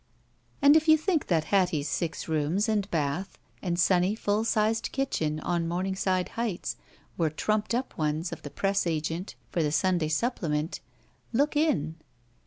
And if you think that Hattie's six rooms and bath and sunny, full sized kitchen, on Momingside Hdghts, were trumped up ones of the press agent for the Sunday Supplement, look in.